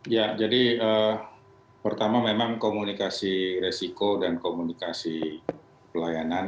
ya jadi pertama memang komunikasi resiko dan komunikasi pelayanan